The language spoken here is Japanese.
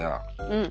うん。